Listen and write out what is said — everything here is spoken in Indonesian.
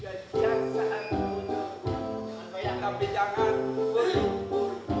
jajan saat bunuh tapi jangan berhubung